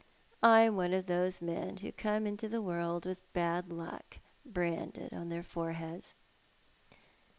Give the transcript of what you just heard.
I am one of those men who come into the world with bad luck branded on their foreheads."